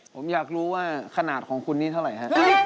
ผมอยากรู้ว่าขนาดของคุณนี่เท่าไหร่ฮะ